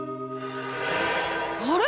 あれ？